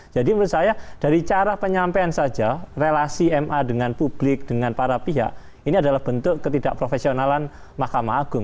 jadi menurut saya dari cara penyampaian saja relasi ma dengan publik dengan para pihak ini adalah bentuk ketidakprofesionalan mahkamah agung